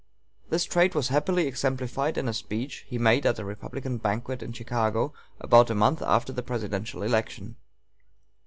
This trait was happily exemplified in a speech he made at a Republican banquet in Chicago about a month after the presidential election.